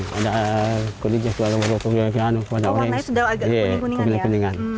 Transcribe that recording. warna itu sudah agak kuning kuningan